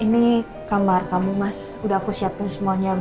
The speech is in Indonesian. ini kamar kamu mas udah aku siapin semuanya